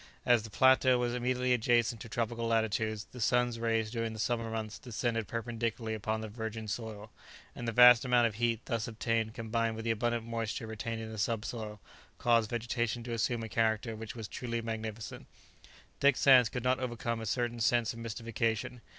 As the plateau was immediately adjacent to tropical latitudes, the sun's rays during the summer months descended perpendicularly upon the virgin soil, and the vast amount of heat thus obtained combined with the abundant moisture retained in the subsoil, caused vegetation to assume a character which was truly magnificent. Dick Sands could not overcome a certain sense of mystification.